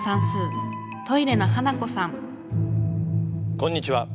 こんにちは。